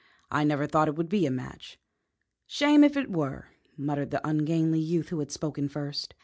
"I never thought it would be a match." "Shame if it were!" muttered the ungainly youth who had spoken first.